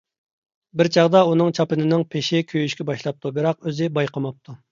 بىر چاغدا ئۇنىڭ چاپىنىنىڭ پېشى كۆيۈشكە باشلاپتۇ، بىراق ئۆزى بايقىماپتۇ.